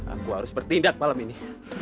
aku harus bertindak malam ini